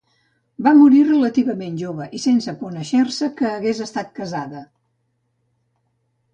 Va morir relativament jove i sense conèixer-se que hagués estat casada.